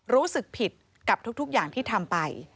รู้สึกผิดกับทุกอย่างที่ทำไป